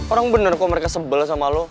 orang bener kok mereka sebel sama lo